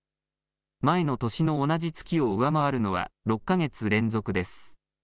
前の年の同じ月を上回るのは６か月連続です。